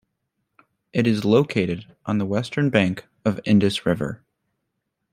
It is located on the western bank of Indus River.